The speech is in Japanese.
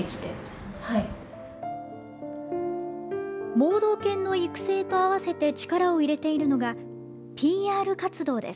盲導犬の育成と併せて力を入れているのがＰＲ活動です。